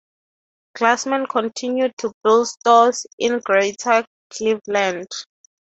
Glassman continued to build stores in Greater Cleveland.